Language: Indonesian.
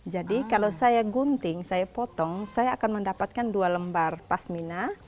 jadi kalau saya gunting saya potong saya akan mendapatkan dua lembar pasmina